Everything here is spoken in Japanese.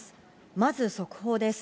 まず速報です。